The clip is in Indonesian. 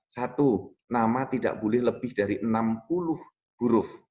satu nama tidak boleh lebih dari enam puluh huruf